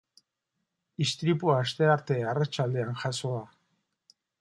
Istripua astearte arratsaldean jazo da.